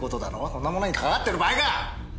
そんなものにかかわってる場合か！